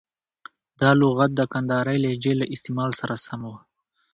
دا لغت د کندهارۍ لهجې له استعمال سره سم و.